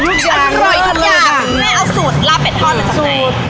แม่เอาสุดลาบเป็ดทอดหน่อยกันไหมสุด